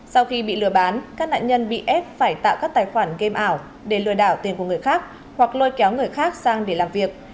sau khi bị lừa bán các nạn nhân bị ép phải tạo các tài khoản game ảo để lừa đảo tiền của người khác hoặc lôi kéo người khác sang để làm việc